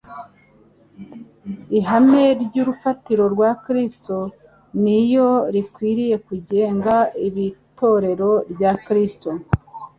Ihame ry'urufatiro rwa Kristo ni iyo rikwiriye kugenga ab'itorero rya Kristo,